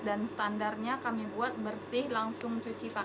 dan standarnya kami buat bersih langsung cuci pakai